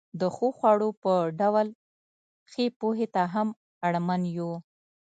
د ښو خوړو په ډول ښې پوهې ته هم اړمن یو.